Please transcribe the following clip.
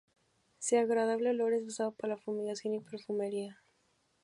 Su agradable olor es usado para la fumigación y perfumería.